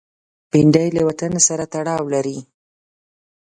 بېنډۍ له وطن سره تړاو لري